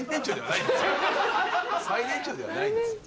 最年長ではないんですよ